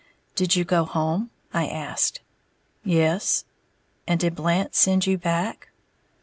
"Did you go home?" I asked. "Yes." "And did Blant send you back?"